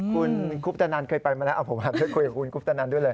คุณคุปตนันเคยไปมาแล้วผมหันไปคุยกับคุณคุปตนันด้วยเลย